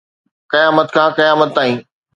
قيامت کان قيامت تائين